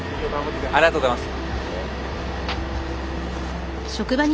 ありがとうございます。